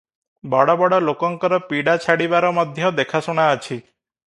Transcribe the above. ବଡ଼ ବଡ଼ ଲୋକଙ୍କର ପୀଡ଼ା ଛାଡ଼ିବାର ମଧ୍ୟ ଦେଖା ଶୁଣାଅଛି ।